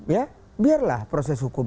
ya biarlah proses hukum